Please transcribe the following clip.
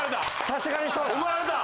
さすがにそうだ。